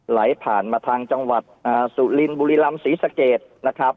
ไหลผ่านมาทางจังหวัดสุรินบุรีลำศรีสะเกดนะครับ